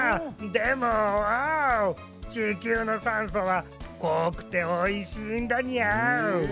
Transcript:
でもわおちきゅうのさんそはこくておいしいんだニャー。